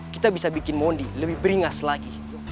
kita bisa bikin mondi lebih beringas lagi